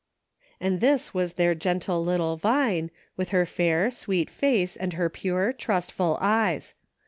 And this was their gentle little Vine, with her fair, sweet face and her pure, trustful eyes.